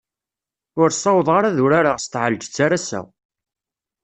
Ur ssawḍeɣ ara ad urareɣ s tɛelǧet ar ass-a.